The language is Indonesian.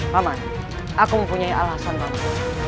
paman aku mempunyai alasan paman